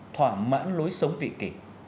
thỏa mãn lối sống vị kỷ